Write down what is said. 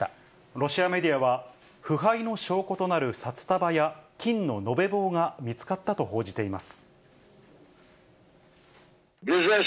ロシアメディアは、腐敗の証拠となる札束や金の延べ棒が見つかったと報じています。